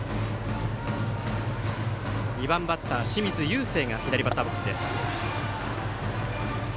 ２番バッター、清水友惺が左バッターボックスです。